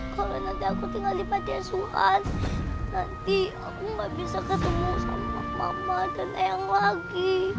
kalau nanti aku tinggal di pancasuhan nanti aku gak bisa ketemu sama mama dan ayang lagi